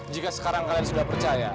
jika sekarang kalian sudah percaya